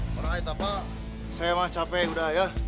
kalo ada apa apa saya mah capek udah ya